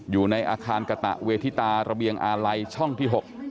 อยู่ในอาคารกะตะเวทิตาระเบียงอาลัยช่องที่๖